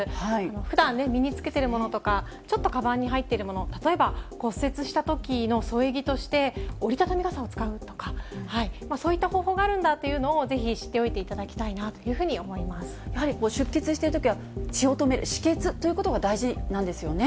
ふだん身に着けているものとかちょっとかばんに入っているもの、例えば骨折したときの添え木として折り畳み傘を使うとか、そういった方法があるんだというのを、ぜひ知っておいていただきやはり出血しているときは血を止める、止血ということが大事なんですよね。